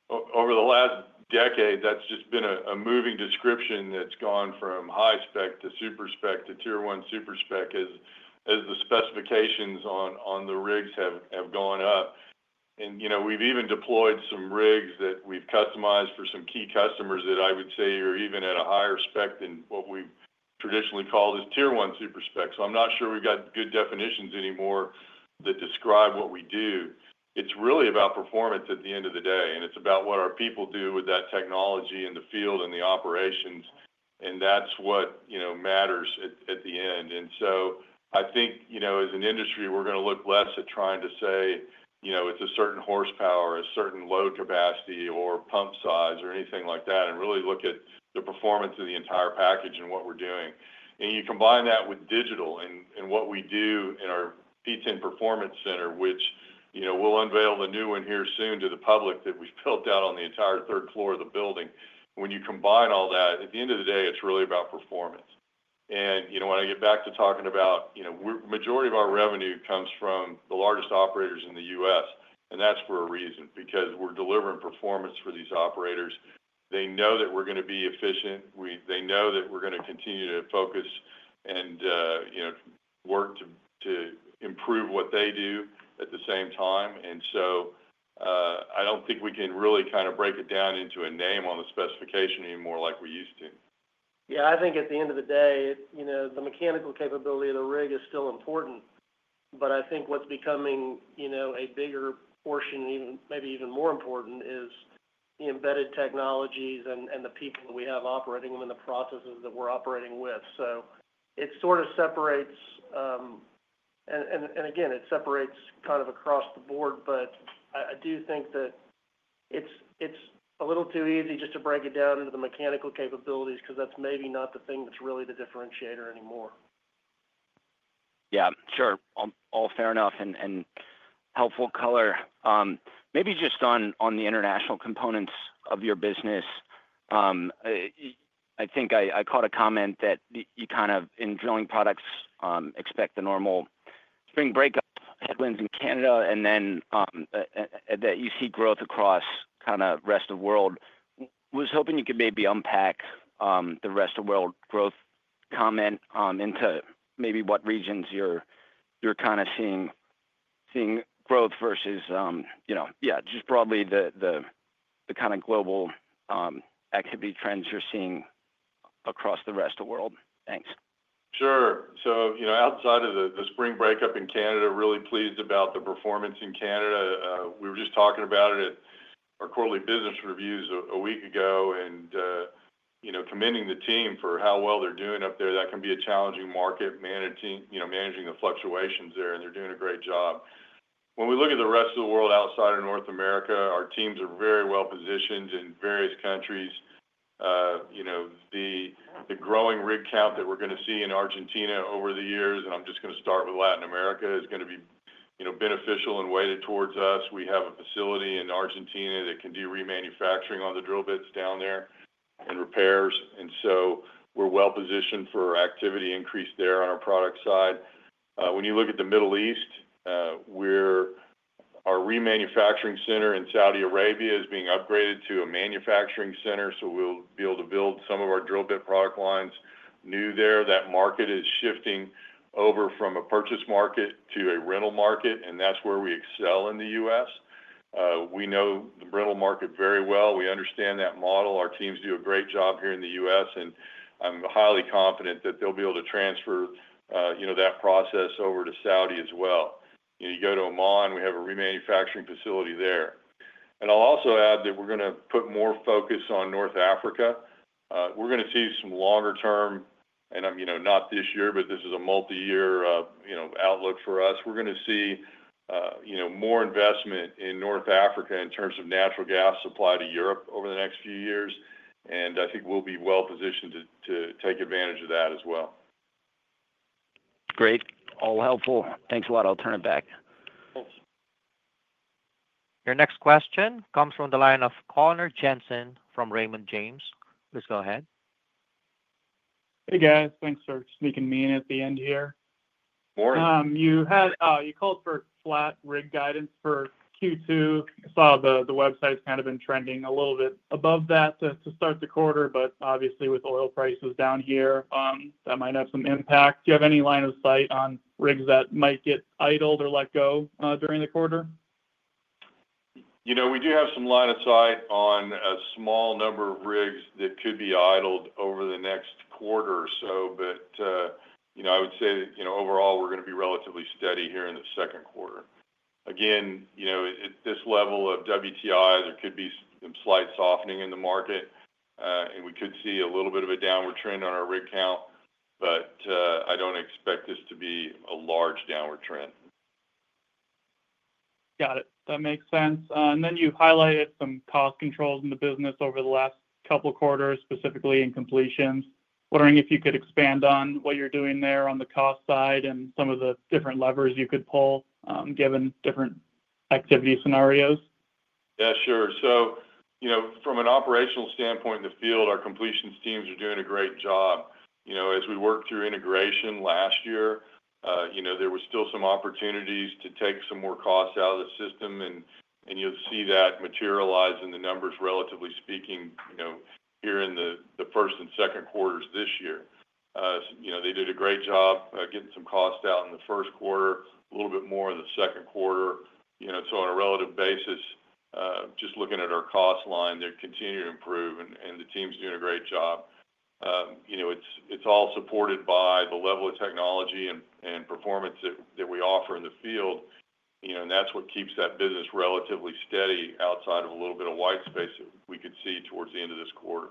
Over the last decade, that's just been a moving description that's gone from high spec to super spec to Tier-1 Super-Spec as the specifications on the rigs have gone up. We've even deployed some rigs that we've customized for some key customers that I would say are even at a higher spec than what we've traditionally called as Tier-1 Super-Spec. I'm not sure we've got good definitions anymore that describe what we do. It's really about performance at the end of the day. It's about what our people do with that technology in the field and the operations. That's what matters at the end. I think as an industry, we're going to look less at trying to say it's a certain horsepower, a certain load capacity, or pump size, or anything like that, and really look at the performance of the entire package and what we're doing. You combine that with digital and what we do in our P10 Performance Center, which we'll unveil the new one here soon to the public that we've built out on the entire third floor of the building. When you combine all that, at the end of the day, it's really about performance. When I get back to talking about the majority of our revenue comes from the largest operators in the U.S. and that's for a reason because we're delivering performance for these operators. They know that we're going to be efficient. They know that we're going to continue to focus and work to improve what they do at the same time. I don't think we can really kind of break it down into a name on the specification anymore like we used to.
Yeah. I think at the end of the day, the mechanical capability of the rig is still important. I think what's becoming a bigger portion, maybe even more important, is the embedded technologies and the people that we have operating them and the processes that we're operating with. It sort of separates. Again, it separates kind of across the board. I do think that it's a little too easy just to break it down into the mechanical capabilities because that's maybe not the thing that's really the differentiator anymore.
Yeah. Sure. All fair enough and helpful color. Maybe just on the international components of your business, I think I caught a comment that you kind of in Drilling Products expect the normal spring breakup headwinds in Canada and then that you see growth across kind of rest of the world. I was hoping you could maybe unpack the rest of the world growth comment into maybe what regions you're kind of seeing growth versus, yeah, just broadly the kind of global activity trends you're seeing across the rest of the world. Thanks.
Sure. Outside of the spring breakup in Canada, really pleased about the performance in Canada. We were just talking about it at our quarterly business reviews a week ago and commending the team for how well they're doing up there. That can be a challenging market managing the fluctuations there. They're doing a great job. When we look at the rest of the world outside of North America, our teams are very well positioned in various countries. The growing rig count that we're going to see in Argentina over the years, and I'm just going to start with Latin America, is going to be beneficial and weighted towards us. We have a facility in Argentina that can do remanufacturing on the drill bits down there and repairs. We're well-positioned for activity increase there on our product side. When you look at the Middle East, our remanufacturing center in Saudi Arabia is being upgraded to a manufacturing center. We will be able to build some of our drill bit product lines new there. That market is shifting over from a purchase market to a rental market. That is where we excel in the U.S. We know the rental market very well. We understand that model. Our teams do a great job here in the U.S. I am highly confident that they will be able to transfer that process over to Saudi as well. You go to Oman, we have a remanufacturing facility there. I will also add that we are going to put more focus on North Africa. We are going to see some longer-term, and not this year, but this is a multi-year outlook for us. We're going to see more investment in North Africa in terms of natural gas supply to Europe over the next few years. I think we'll be well-positioned to take advantage of that as well.
Great. All helpful. Thanks a lot. I'll turn it back.
Thanks. Your next question comes from the line of Connor Jensen from Raymond James. Please go ahead.
Hey, guys. Thanks for sneaking me in at the end here.
Morning.
You called for flat rig guidance for Q2. I saw the website's kind of been trending a little bit above that to start the quarter, but obviously with oil prices down here, that might have some impact. Do you have any line of sight on rigs that might get idled or let go during the quarter?
We do have some line of sight on a small number of rigs that could be idled over the next quarter or so. I would say that overall, we're going to be relatively steady here in the Second Quarter. Again, at this level of WTI, there could be some slight softening in the market. We could see a little bit of a downward trend on our rig count. I don't expect this to be a large downward trend.
Got it. That makes sense. You highlighted some cost controls in the business over the last couple of quarters, specifically in Completions. Wondering if you could expand on what you're doing there on the cost side and some of the different levers you could pull given different activity scenarios.
Yeah. Sure. From an operational standpoint in the field, our completions teams are doing a great job. As we worked through integration last year, there were still some opportunities to take some more costs out of the system. You'll see that materialize in the numbers, relatively speaking, here in the First and Second Quarters this year. They did a great job getting some costs out in the First Quarter, a little bit more in the Second Quarter. On a relative basis, just looking at our cost line, they're continuing to improve. The team's doing a great job. It's all supported by the level of technology and performance that we offer in the field. That's what keeps that business relatively steady outside of a little bit of white space that we could see towards the end of this quarter.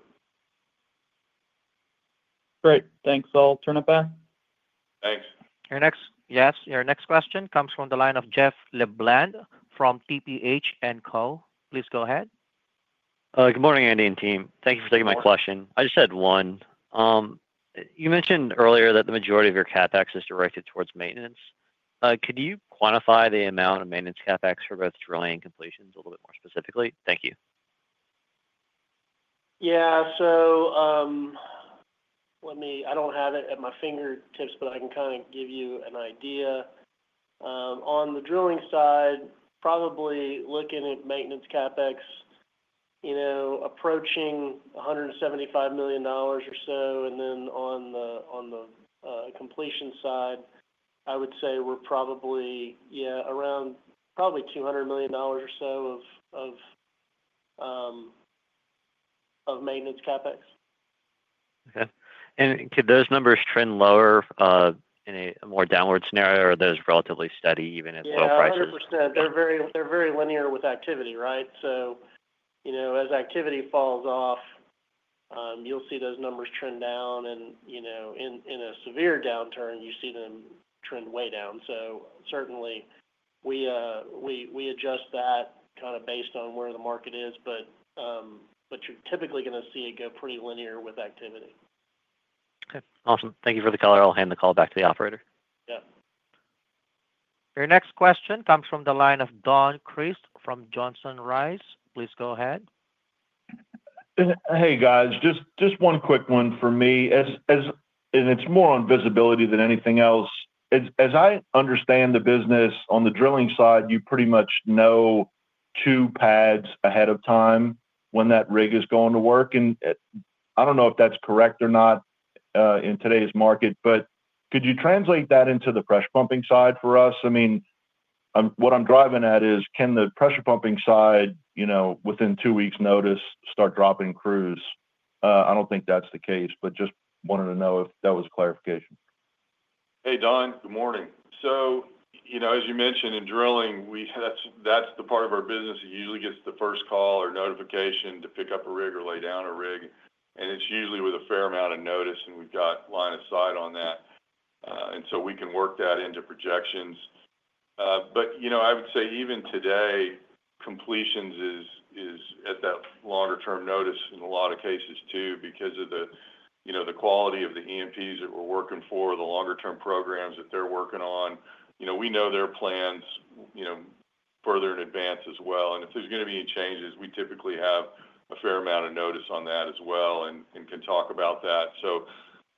Great. Thanks. I'll turn it back.
Thanks.
Your next question comes from the line of Jeff LeBlanc from TPH & Co. Please go ahead.
Good morning, Andy and team. Thank you for taking my question. I just had one. You mentioned earlier that the majority of your CapEx is directed towards maintenance. Could you quantify the amount of maintenance CapEx for both drilling and completions a little bit more specifically? Thank you.
Yeah. I do not have it at my fingertips, but I can kind of give you an idea. On the drilling side, probably looking at maintenance CapEx, approaching $175 million or so. On the completion side, I would say we are probably, yeah, around probably $200 million or so of maintenance CapEx.
Could those numbers trend lower in a more downward scenario, or are those relatively steady even at low prices?
Yeah. 100%. They're very linear with activity, right? As activity falls off, you'll see those numbers trend down. In a severe downturn, you see them trend way down. Certainly, we adjust that kind of based on where the market is. You're typically going to see it go pretty linear with activity.
Okay. Awesome. Thank you for the color. I'll hand the call back to the operator.
Your next question comes from the line of Don Crist from Johnson Rice. Please go ahead.
Hey, guys. Just one quick one for me. It is more on visibility than anything else. As I understand the business on the drilling side, you pretty much know two pads ahead of time when that rig is going to work. I do not know if that is correct or not in today's market. Could you translate that into the pressure pumping side for us? I mean, what I am driving at is, can the pressure pumping side within two weeks' notice start dropping crews? I do not think that is the case. Just wanted to know if that was a clarification.
Hey, Don. Good morning. As you mentioned, in drilling, that's the part of our business that usually gets the first call or notification to pick up a rig or lay down a rig. It's usually with a fair amount of notice. We've got line of sight on that, so we can work that into projections. I would say even today, completions is at that longer-term notice in a lot of cases too because of the quality of the E&Ps that we're working for, the longer-term programs that they're working on. We know their plans further in advance as well. If there's going to be any changes, we typically have a fair amount of notice on that as well and can talk about that.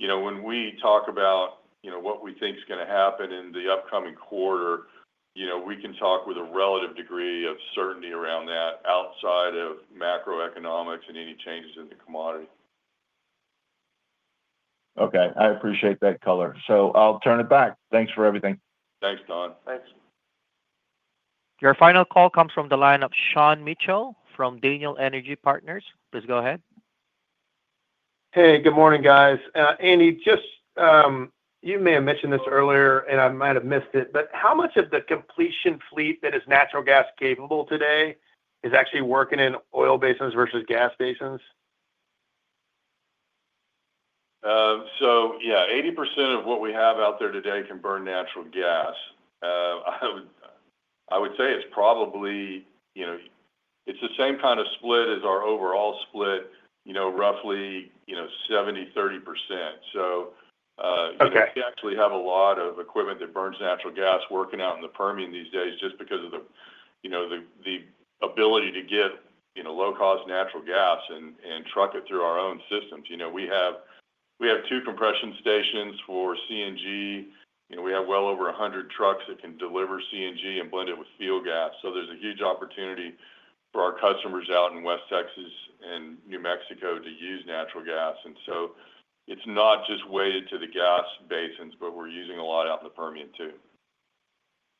When we talk about what we think is going to happen in the upcoming quarter, we can talk with a relative degree of certainty around that outside of macroeconomics and any changes in the commodity.
Okay. I appreciate that color. I'll turn it back. Thanks for everything.
Thanks, Don.
Thanks.
Your final call comes from the line of Sean Mitchell from Daniel Energy Partners. Please go ahead.
Hey, good morning, guys. Andy, you may have mentioned this earlier, and I might have missed it. But how much of the completion fleet that is natural gas-capable today is actually working in oil basins versus gas basins?
Yeah, 80% of what we have out there today can burn natural gas. I would say it's probably the same kind of split as our overall split, roughly 70%-30%. We actually have a lot of equipment that burns natural gas working out in the Permian these days just because of the ability to get low-cost natural gas and truck it through our own systems. We have two compression stations for CNG. We have well over 100 trucks that can deliver CNG and blend it with fuel gas. There is a huge opportunity for our customers out in West Texas and New Mexico to use natural gas. It is not just weighted to the gas basins, but we are using a lot out in the Permian too.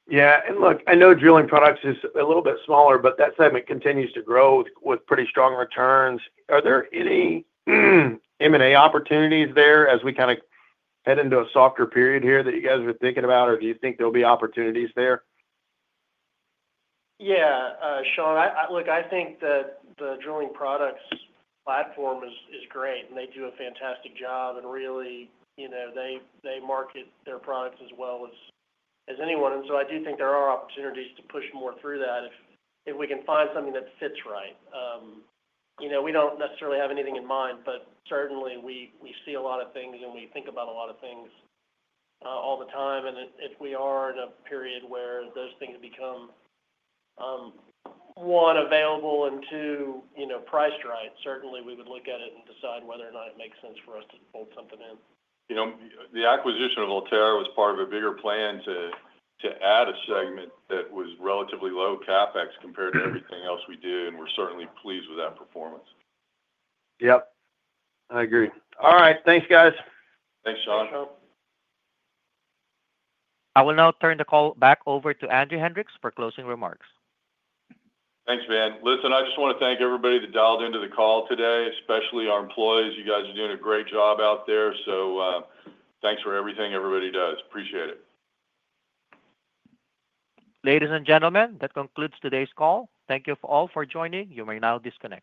Yeah. Look, I know Drilling Products is a little bit smaller, but that segment continues to grow with pretty strong returns. Are there any M&A opportunities there as we kind of head into a softer period here that you guys are thinking about, or do you think there'll be opportunities there?
Yeah. Sean, look, I think the Drilling Products platform is great. They do a fantastic job. They market their products as well as anyone. I do think there are opportunities to push more through that if we can find something that fits right. We do not necessarily have anything in mind, but certainly, we see a lot of things and we think about a lot of things all the time. If we are in a period where those things become, one, available and, two, priced right, certainly, we would look at it and decide whether or not it makes sense for us to pull something in.
The acquisition of Ulterra was part of a bigger plan to add a segment that was relatively low CapEx compared to everything else we do. And we're certainly pleased with that performance.
Yep. I agree. All right. Thanks, guys.
Thanks, Sean.
I will now turn the call back over to Andy Hendricks for closing remarks.
Thanks, Van. Listen, I just want to thank everybody that dialed into the call today, especially our employees. You guys are doing a great job out there. Thanks for everything everybody does. Appreciate it.
Ladies and gentlemen, that concludes today's call. Thank you all for joining. You may now disconnect.